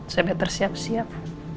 saya better siap siap